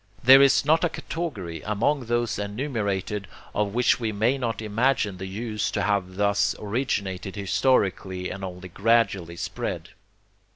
There is not a category, among those enumerated, of which we may not imagine the use to have thus originated historically and only gradually spread.